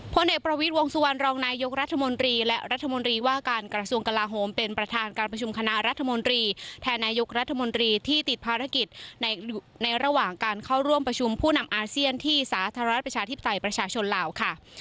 พลเอกประวิทย์วงสุวรรณรองนายกรัฐมนตรีและรัฐมนตรีว่าการกระทรวงกลาโฮมเป็นประธานการประชุมคณะรัฐมนตรีแทนนายกรัฐมนตรีที่ติดภารกิจในระหว่างการเข้าร่วมประชุมผู้นำอาเซียนที่สาธารณประชาธิปไตยประชาชนลาวค่ะ